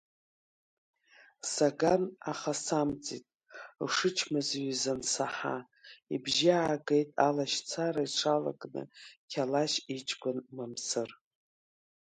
Саган, аха самҵит, ушычмазаҩыз ансаҳа, ибжьы аагеит алашьцара иҽалакны Қьалашь иҷкәын Мамсыр.